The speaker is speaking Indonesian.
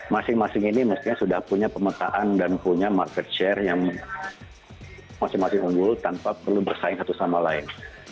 masing masing ini mestinya sudah punya pemetaan dan punya market share yang masing masing unggul tanpa perlu bersaing satu sama lain